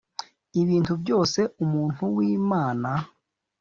ibintu byose umuntu w Imana